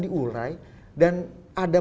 diurai dan ada